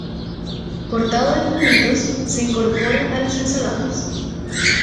Cortado en cubitos, se incorpora a las ensaladas.